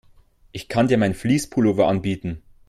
Ich kann dir meinen Fleece-Pullover anbieten.